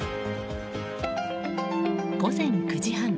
午前９時半。